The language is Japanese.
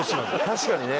確かにね。